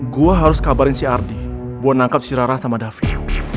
gue harus kabarin si ardy buat nangkep si rara sama david